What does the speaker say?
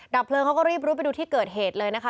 เลิงเขาก็รีบรู้ไปดูที่เกิดเหตุเลยนะคะ